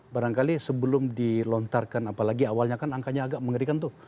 barangkali sebelum dilontarkan apalagi awalnya kan angkanya agak mengerikan tuh